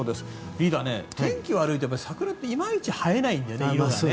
リーダー、天気が悪いと桜っていまいち映えないんだよね、色がね。